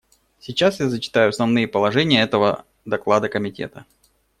Сейчас я зачитаю основные положения этого доклада Комитета.